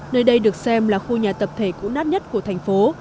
nơi đây được xem là khu nhà tập thể cũ nát nhất của thành phố